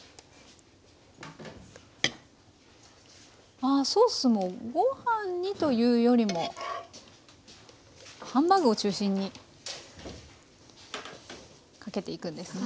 あソースもご飯にというよりもハンバーグを中心にかけていくんですね。